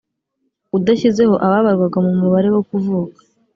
udashyizeho ababarwaga mu mubare wo kuvuka